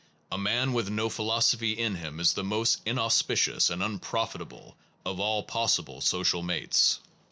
A man with no philosophy in him is the most inauspicious and unprofitable of all possible social mates.